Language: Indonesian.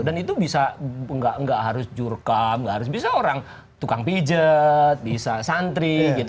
dan itu bisa nggak harus jurka nggak harus bisa orang tukang pijet bisa santri gitu